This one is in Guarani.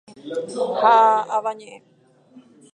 ¡Ha avañeʼẽ!